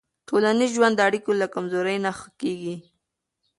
ټولنیز ژوند د اړیکو له کمزورۍ نه ښه کېږي.